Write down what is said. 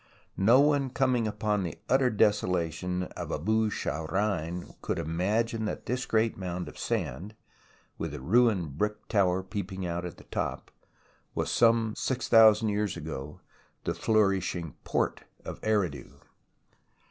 No one coming upon the utter desolation of Abu Shahrein could imagine that this great mound of sand, with the ruined brick tower peeping out at the top, was some six thousand years ago the flourishing port of Eridu.